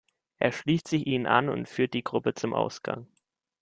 Er schließt sich ihnen an und führt die Gruppe zum Ausgang.